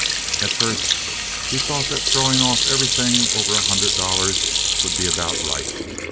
At first he thought that throwing off everything over a hundred dollars would be about right.